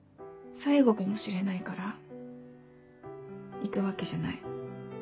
最後かもしれないから行くわけじゃない。